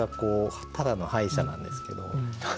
ただの歯医者なんですけど。